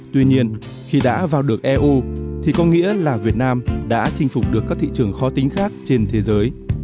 tuy nhiên khi đã vào được eu thì có nghĩa là việt nam đã chinh phục được các thị trường khó tính khác trên thế giới